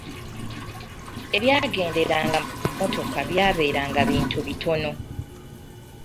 Ebyagenderanga ku mmotoka byabeeranga bintu bitono.